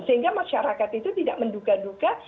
sehingga masyarakat itu tidak menduga duga